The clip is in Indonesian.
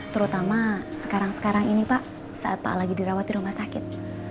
terutama sekarang sekarang ini pak saat pak lagi dirawat di rumah sakit